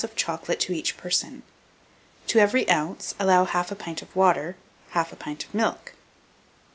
of chocolate to each person; to every oz. allow 1/2 pint of water, 1/2 pint of milk.